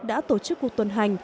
đã tổ chức cuộc tuần hành